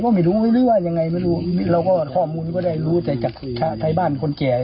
ก็ไม่รู้หรือว่ายังไงไม่รู้เราก็ข้อมูลนี้ก็ได้รู้แต่จากไทยบ้านคนแก่